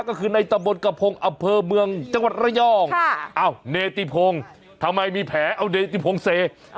ก็คือในตะบนกระพงอำเภอเมืองจังหวัดระยองเนติพงศ์ทำไมมีแผลเอาเนติพงเซ